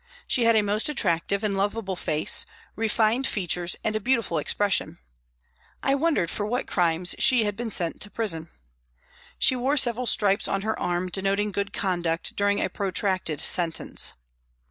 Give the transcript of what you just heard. She had a most attractive and lovable face, refined features and a beautiful expression. I wondered for what crime she had been sent to prison. She wore several stripes on her arm denoting good conduct during a protracted sentence.